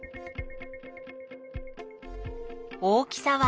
大きさは？